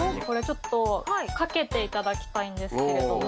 これちょっと掛けていただきたいんですけれど。